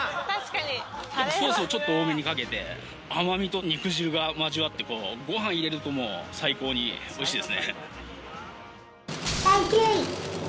ソースちょっと多めにかけて、甘みと肉汁がまじ合ってごはん入れると、もう最高においしいです